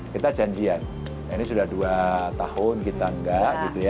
kita janjian ini sudah dua tahun kita enggak gitu ya